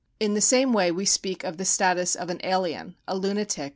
In the same way wc speak of the status of an alien, a lunatic, or an infant.